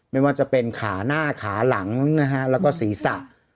ไม่ว่าจะเป็นขาหน้าขาหลังนะฮะแล้วก็ศีรษะ